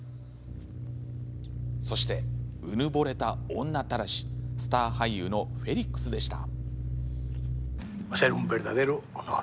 そして、うぬぼれた女たらしスター俳優のフェリックスでした。